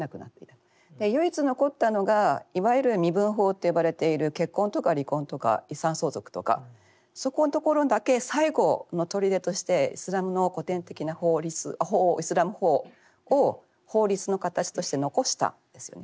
唯一残ったのがいわゆる「身分法」と呼ばれている結婚とか離婚とか遺産相続とかそこのところだけ最後の砦としてイスラムの古典的な法律イスラム法を法律の形として残したんですよね。